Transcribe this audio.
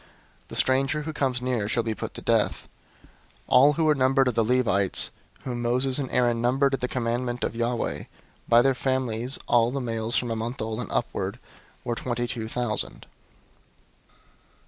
The stranger who comes near shall be put to death. 003:039 All who were numbered of the Levites, whom Moses and Aaron numbered at the commandment of Yahweh, by their families, all the males from a month old and upward, were twenty two thousand.